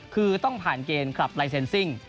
คือต้องผ่านเกณฑ์คลับลายเซ็นซิ่ง